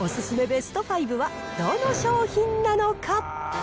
ベスト５はどの商品なのか。